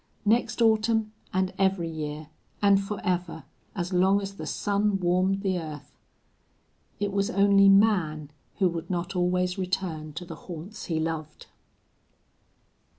Next autumn, and every year, and forever, as long as the sun warmed the earth! It was only man who would not always return to the haunts he loved.